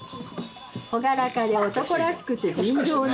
朗らかで男らしくて純情な」。